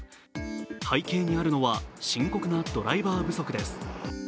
背景にあるのは深刻なドライバー不足です。